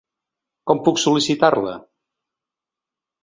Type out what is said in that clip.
Com puc sol·licitar-la?